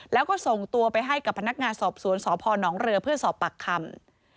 แล้วก็ส่งตัวไปให้กับพนักงานสอบสวนสพนเรือเพื่อสอบปากคำ